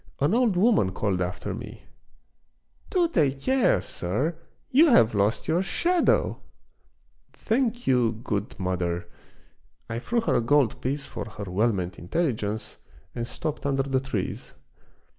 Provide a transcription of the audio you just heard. An old woman called after me :—" Do take care, sir, you have lost your shadow !"" Thank you, good mother !" I threw her a gold piece for her well meant intelligence and stopped under the trees.